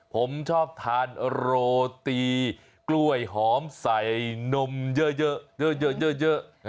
ผมชอบทานโรตีกล้วยหอมใส่นมเยอะ